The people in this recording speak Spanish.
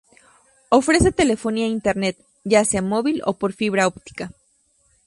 Ofrece Telefonía e Internet, ya sea móvil o por fibra óptica.